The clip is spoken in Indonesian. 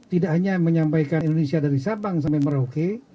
tidak hanya menyampaikan indonesia dari sabang sampai merauke